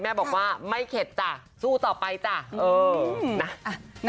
แม่บอกว่าไม่เข็ดจ้ะสู้ต่อไปจ้ะเออนะ